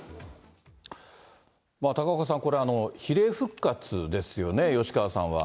高岡さん、これ、比例復活ですよね、吉川さんは。